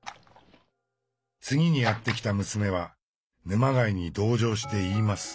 次にやって来た娘は沼貝に同情して言います。